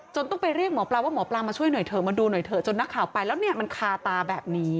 ต้องไปเรียกหมอปลาว่าหมอปลามาช่วยหน่อยเถอะมาดูหน่อยเถอะจนนักข่าวไปแล้วเนี่ยมันคาตาแบบนี้